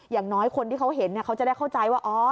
อย่างน้อยคนที่เขาเห็นเขาจะได้เข้าใจว่า